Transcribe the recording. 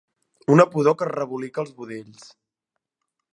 Una pudor que rebolica els budells.